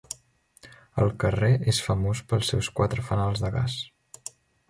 El carrer és famós pels seus quatre fanals de gas.